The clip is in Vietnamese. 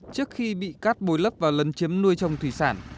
trước khi bị cắt bồi lấp và lấn chiếm nuôi trồng thủy sản